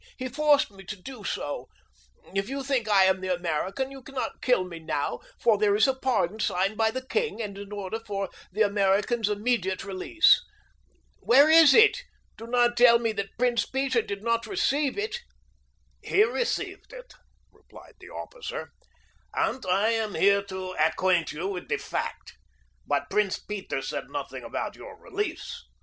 "He forced me to do so. If you think I am the American, you cannot kill me now, for there is a pardon signed by the king, and an order for the American's immediate release. Where is it? Do not tell me that Prince Peter did not receive it." "He received it," replied the officer, "and I am here to acquaint you with the fact, but Prince Peter said nothing about your release.